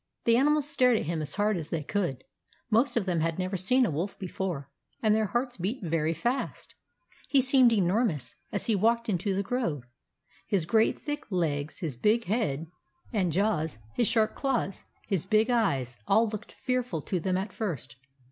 The animals stared at him as hard as they could. Most of them had never seen a wolf before, and their hearts beat very fast. He seemed enormous, as he walked into the grove. His great thick legs, his big head i26 THE ADVENTURES OF MABEL and jaws, his sharp claws, his big eyes, all looked fearful to them at first.